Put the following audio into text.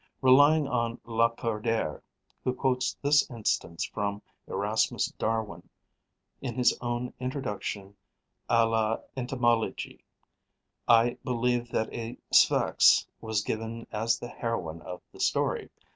Relying on Lacordaire, who quotes this instance from Erasmus Darwin in his own "Introduction a l'entomologie", I believed that a Sphex was given as the heroine of the story.